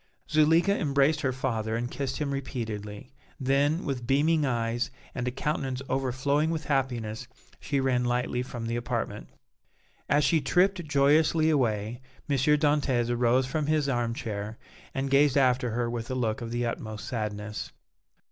Zuleika embraced her father and kissed him repeatedly; then, with beaming eyes and a countenance overflowing with happiness she ran lightly from the apartment. As she tripped joyously away, M. Dantès arose from his arm chair and gazed after her with a look of the utmost sadness.